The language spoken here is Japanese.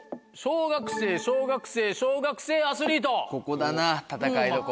ここだな戦いどこは。